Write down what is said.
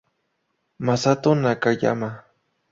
Masato Nakayama